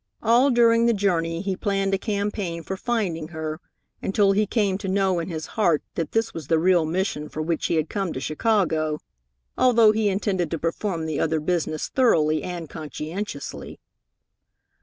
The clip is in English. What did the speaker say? All during the journey he planned a campaign for finding her, until he came to know in his heart that this was the real mission for which he had come to Chicago, although he intended to perform the other business thoroughly and conscientiously.